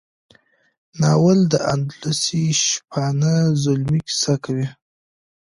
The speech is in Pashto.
ناول د اندلسي شپانه زلمي کیسه کوي.